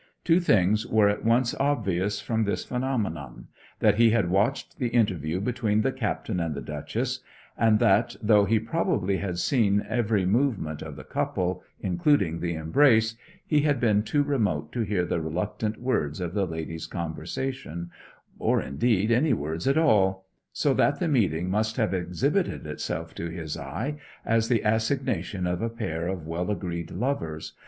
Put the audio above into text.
Two things were at once obvious from this phenomenon: that he had watched the interview between the Captain and the Duchess; and that, though he probably had seen every movement of the couple, including the embrace, he had been too remote to hear the reluctant words of the lady's conversation or, indeed, any words at all so that the meeting must have exhibited itself to his eye as the assignation of a pair of well agreed lovers.